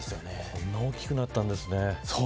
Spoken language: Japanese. こんなに大きくなったんですね。